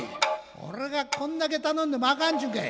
俺がこんだけ頼んでもあかんちゅうんかい！